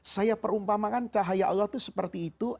saya perumpamakan cahaya allah itu seperti itu